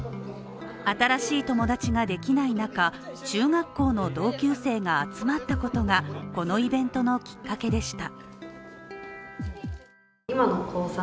新しい友達ができない中、中学校の同級生が集まったことがこのイベントのきっかけでした。